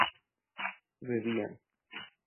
bebían